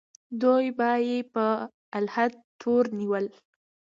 دوی به یې په الحاد تورنول.